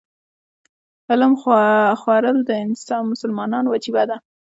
علم خورل د مسلمان وجیبه ده.